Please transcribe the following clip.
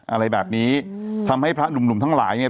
อะไรแบบนี้ทำให้พระหนุ่มหนุ่มทั้งหลายเนี่ย